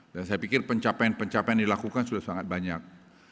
saya pikir pencapaian pencapaian dilakukan sudah sangat banyak